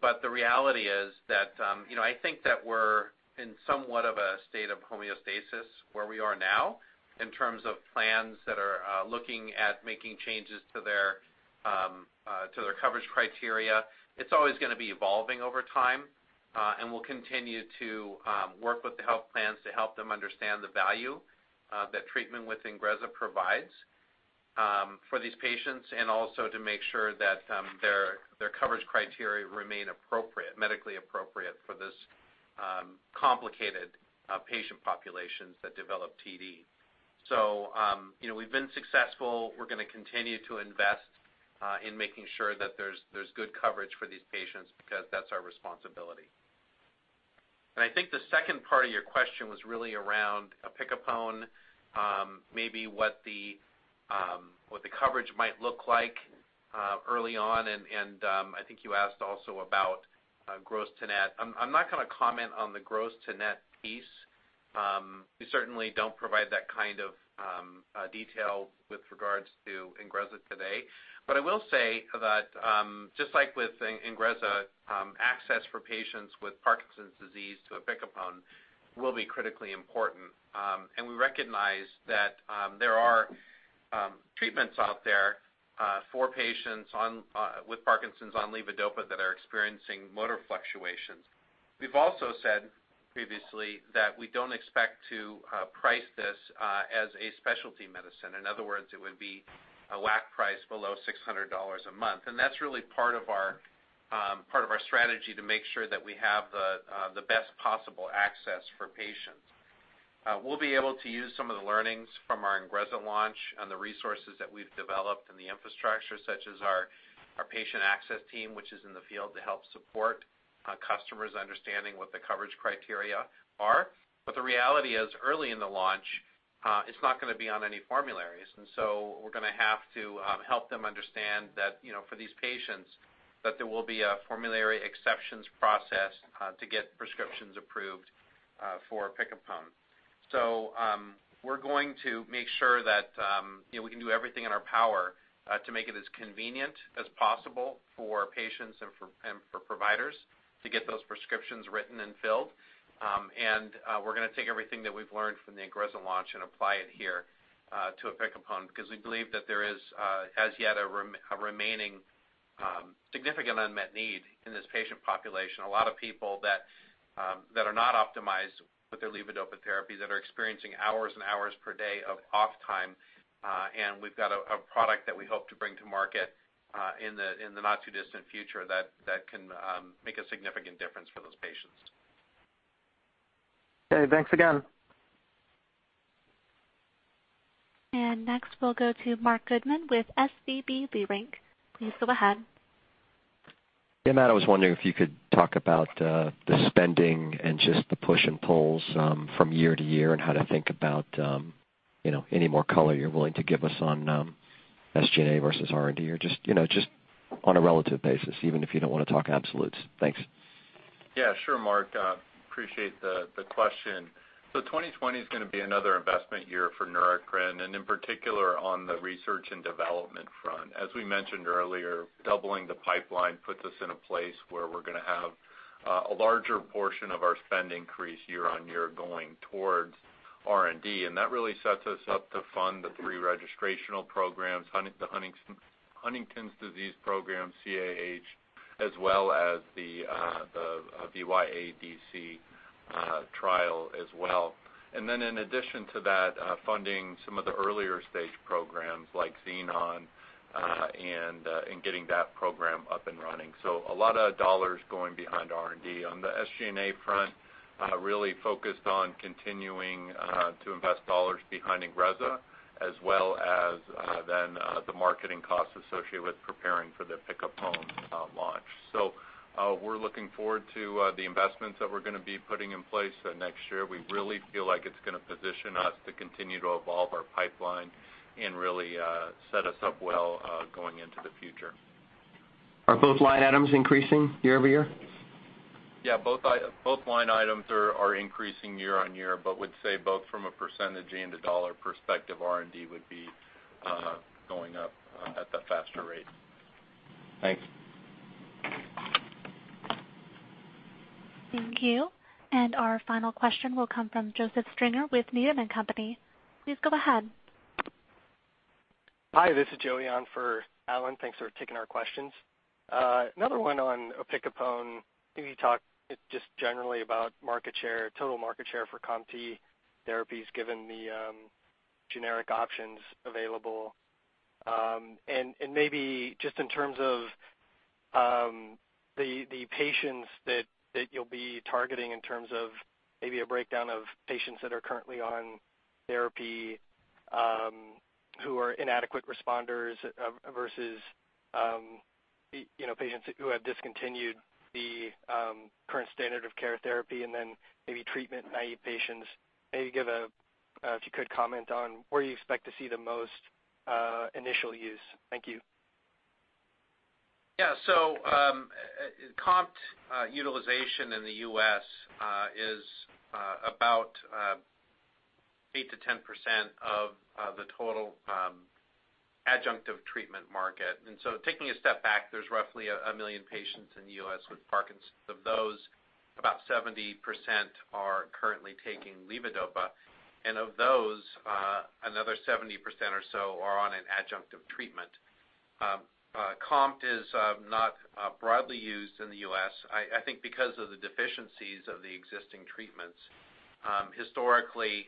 but the reality is that I think that we're in somewhat of a state of homeostasis where we are now in terms of plans that are looking at making changes to their coverage criteria. It's always going to be evolving over time. We'll continue to work with the health plans to help them understand the value that treatment with INGREZZA provides for these patients and also to make sure that their coverage criteria remain medically appropriate for these complicated patient populations that develop TD. We've been successful. We're going to continue to invest in making sure that there's good coverage for these patients because that's our responsibility. I think the second part of your question was really around opicapone, maybe what the coverage might look like early on, and I think you asked also about gross to net. I'm not going to comment on the gross to net piece. We certainly don't provide that kind of detail with regards to INGREZZA today. I will say that just like with INGREZZA, access for patients with Parkinson's disease to opicapone will be critically important. We recognize that there are treatments out there for patients with Parkinson's on levodopa that are experiencing motor fluctuations. We've also said previously that we don't expect to price this as a specialty medicine. In other words, it would be a WAC price below $600 a month. That's really part of our strategy to make sure that we have the best possible access for patients. We'll be able to use some of the learnings from our INGREZZA launch and the resources that we've developed and the infrastructure such as our patient access team, which is in the field to help support customers understanding what the coverage criteria are. The reality is early in the launch, it's not going to be on any formularies, and so we're going to have to help them understand that for these patients, that there will be a formulary exceptions process to get prescriptions approved for opicapone. We're going to make sure that we can do everything in our power to make it as convenient as possible for patients and for providers to get those prescriptions written and filled. We're going to take everything that we've learned from the INGREZZA launch and apply it here to opicapone, because we believe that there is as yet a remaining significant unmet need in this patient population. A lot of people that are not optimized with their levodopa therapy that are experiencing hours and hours per day of off time. We've got a product that we hope to bring to market in the not too distant future that can make a significant difference for those patients. Okay, thanks again. Next, we'll go to Marc Goodman with SVB Leerink. Please go ahead. Yeah, Matt, I was wondering if you could talk about the spending and just the push and pulls from year to year and how to think about any more color you're willing to give us on SG&A versus R&D or just on a relative basis, even if you don't want to talk absolutes? Thanks. Yeah, sure Marc. Appreciate the question. 2020 is going to be another investment year for Neurocrine, and in particular on the research and development front. As we mentioned earlier, doubling the pipeline puts us in a place where we're going to have a larger portion of our spend increase year-over-year going towards R&D. That really sets us up to fund the three registrational programs, the Huntington's disease program, CAH, as well as the VY-AADC trial as well. In addition to that, funding some of the earlier stage programs like Xenon and getting that program up and running. A lot of dollars going behind R&D. On the SG&A front, really focused on continuing to invest dollars behind INGREZZA as well as then the marketing costs associated with preparing for the opicapone launch. We're looking forward to the investments that we're going to be putting in place next year. We really feel like it's going to position us to continue to evolve our pipeline and really set us up well going into the future. Are both line items increasing year-over-year? Yeah, both line items are increasing year-over-year. Would say both from a percentage and a dollar perspective, R&D would be going up at the faster rate. Thanks. Thank you. Our final question will come from Joseph Stringer with Needham & Company. Please go ahead. Hi, this is Joey on for Alan. Thanks for taking our questions. Another one on opicapone. Can you talk just generally about total market share for COMT therapies given the generic options available? Maybe just in terms of the patients that you'll be targeting in terms of maybe a breakdown of patients that are currently on therapy who are inadequate responders versus patients who have discontinued the current standard of care therapy and then maybe treatment-naive patients. Maybe if you could comment on where you expect to see the most initial use. Thank you. COMT utilization in the U.S. is about 8%-10% of the total adjunctive treatment market. Taking a step back, there's roughly one million patients in the U.S. with Parkinson's. Of those, about 70% are currently taking levodopa, and of those another 70% or so are on an adjunctive treatment. COMT is not broadly used in the U.S., I think because of the deficiencies of the existing treatments. Historically,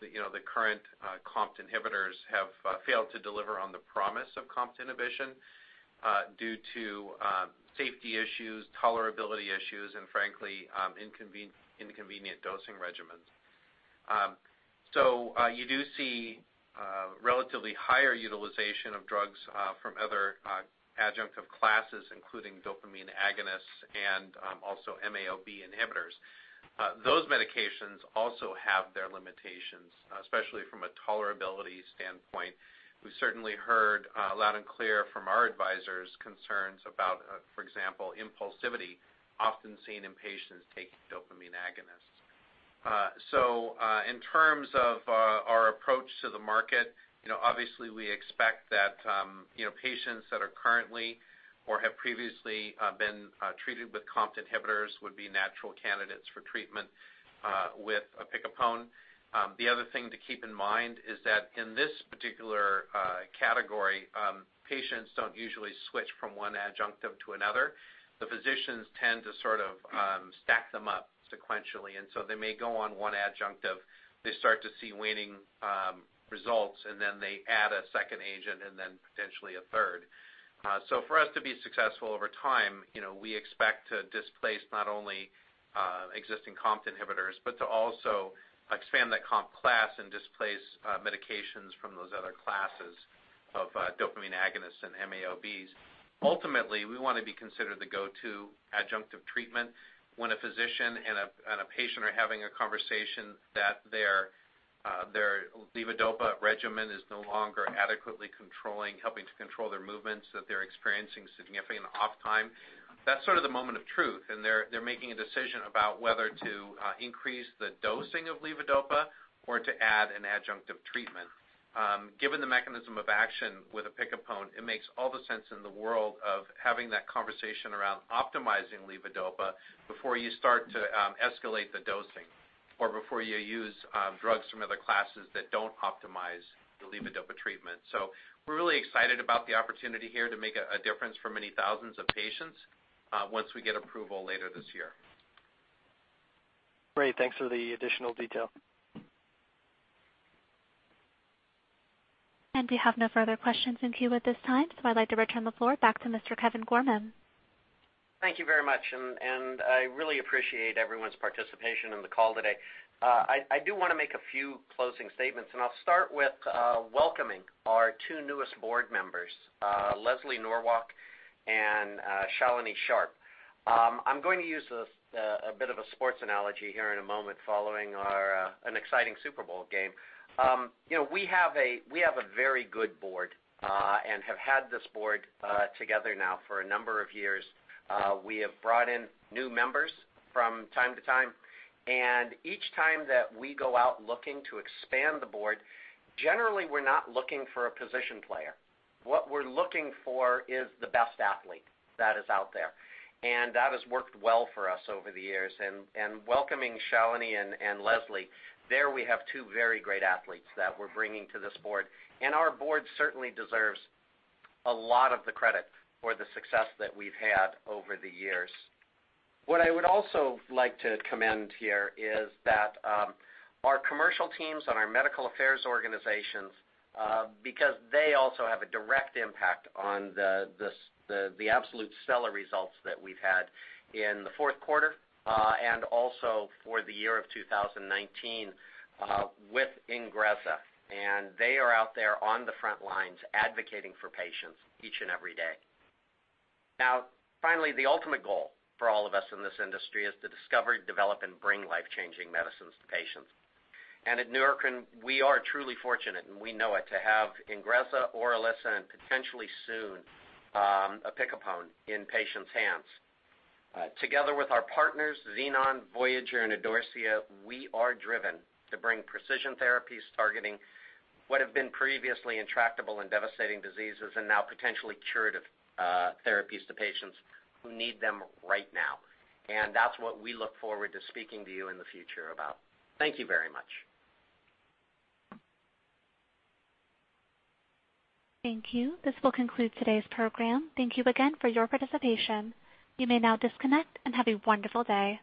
the current COMT inhibitors have failed to deliver on the promise of COMT inhibition due to safety issues, tolerability issues, and frankly, inconvenient dosing regimens. You do see relatively higher utilization of drugs from other adjunctive classes, including dopamine agonists and also MAO-B inhibitors. Those medications also have their limitations, especially from a tolerability standpoint. We've certainly heard loud and clear from our advisors concerns about, for example, impulsivity often seen in patients taking dopamine agonists. In terms of our approach to the market, obviously we expect that patients that are currently or have previously been treated with COMT inhibitors would be natural candidates for treatment with opicapone. The other thing to keep in mind is that in this particular category, patients don't usually switch from one adjunctive to another. The physicians tend to sort of stack them up sequentially, and so they may go on one adjunctive, they start to see waning results, and then they add a second agent and then potentially a third. For us to be successful over time, we expect to displace not only existing COMT inhibitors, but to also expand that COMT class and displace medications from those other classes of dopamine agonists and MAO-Bs. Ultimately, we want to be considered the go-to adjunctive treatment when a physician and a patient are having a conversation that their levodopa regimen is no longer adequately helping to control their movements, that they're experiencing significant off time. That's sort of the moment of truth, and they're making a decision about whether to increase the dosing of levodopa or to add an adjunctive treatment. Given the mechanism of action with opicapone, it makes all the sense in the world of having that conversation around optimizing levodopa before you start to escalate the dosing, or before you use drugs from other classes that don't optimize the levodopa treatment. We're really excited about the opportunity here to make a difference for many thousands of patients once we get approval later this year. Great. Thanks for the additional detail. We have no further questions in queue at this time, so I'd like to return the floor back to Mr. Kevin Gorman. Thank you very much, and I really appreciate everyone's participation in the call today. I do want to make a few closing statements, and I'll start with welcoming our two newest board members, Leslie Norwalk and Shalini Sharp. I'm going to use a bit of a sports analogy here in a moment following an exciting Super Bowl game. We have a very good board and have had this board together now for a number of years. We have brought in new members from time to time, and each time that we go out looking to expand the board, generally we're not looking for a position player. What we're looking for is the best athlete that is out there, and that has worked well for us over the years. Welcoming Shalini and Leslie, there we have two very great athletes that we're bringing to this board, and our board certainly deserves a lot of the credit for the success that we've had over the years. What I would also like to commend here is that our commercial teams and our medical affairs organizations, because they also have a direct impact on the absolute stellar results that we've had in the fourth quarter and also for the year of 2019 with INGREZZA. They are out there on the front lines advocating for patients each and every day. Finally, the ultimate goal for all of us in this industry is to discover, develop, and bring life-changing medicines to patients. At Neurocrine, we are truly fortunate, and we know it, to have INGREZZA, ORILISSA, and potentially soon, opicapone in patients' hands. Together with our partners, Xenon, Voyager, and Idorsia, we are driven to bring precision therapies targeting what have been previously intractable and devastating diseases and now potentially curative therapies to patients who need them right now. That's what we look forward to speaking to you in the future about. Thank you very much. Thank you. This will conclude today's program. Thank you again for your participation. You may now disconnect and have a wonderful day.